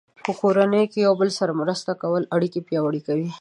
په کورنۍ کې د یو بل سره مرسته کول اړیکې پیاوړې کوي.